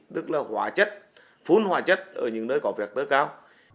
tức là hóa chất phun hóa chất ở những nơi có việc tơ cao